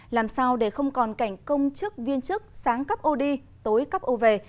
làm sao để không còn cảnh công chức viên chức sáng cấp ô đi tối cấp ô về